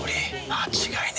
間違いねえ。